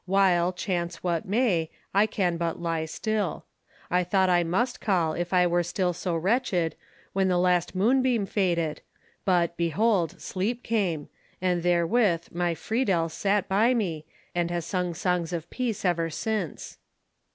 while, chance what may, I can but lie still. I thought I must call, if I were still so wretched, when the last moonbeam faded; but, behold, sleep came, and therewith my Friedel sat by me, and has sung songs of peace ever since."